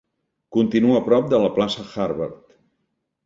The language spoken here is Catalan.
Continua a prop de la plaça Harvard.